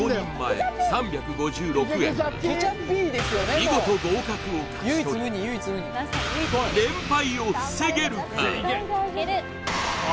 見事合格を勝ち取り連敗を防げるか？